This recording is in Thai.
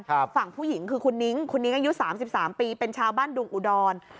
ดาร์ฟั่งผู้หญิงคือคุณนิ๊งคุณนิ๊งอายุ๓๓ปีเป็นชาวบ้านดุงอุดร